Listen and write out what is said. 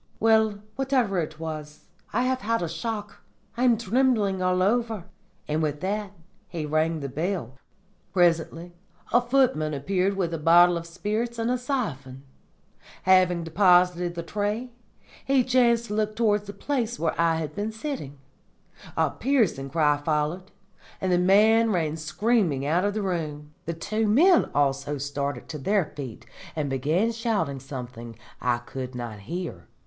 Well, whatever it was, I have had a shock. I am trembling all over.' And with that he rang the bell. "Presently a footman appeared with a bottle of spirits and a siphon. Having deposited the tray, he chanced to look towards the place where I was sitting. A piercing cry followed, and the man ran screaming out of the room. The two men also started to their feet and began shouting something I could not hear.